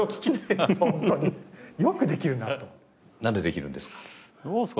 なんでできるんですか？